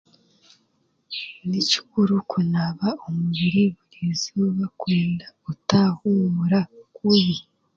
Ni kikuru kunaaba omubiri burizooba kwenda otahumura kubi.